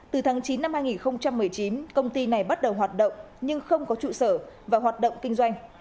từ tháng chín năm hai nghìn một mươi chín công ty này bắt đầu hoạt động nhưng không có trụ sở và hoạt động kinh doanh